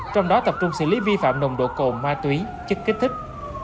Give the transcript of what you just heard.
trong đó tập trung xử lý vi phạm nồng độ cồn ma túy chất kích thích